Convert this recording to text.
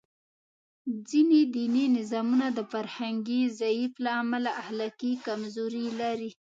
ځینې دیني نظامونه د فرهنګي ضعف له امله اخلاقي کمزوري لري.